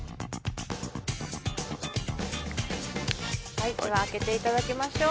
はいでは開けていただきましょう。